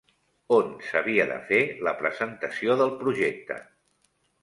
On s'havia de fer la presentació del projecte?